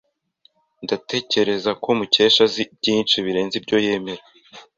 Ndatekereza ko Mukesha azi byinshi birenze ibyo yemera.